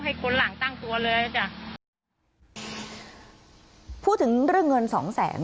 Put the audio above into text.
ค้นหลังตั้งตัวเลยจ้ะพูดถึงเรื่องเงินสองแสน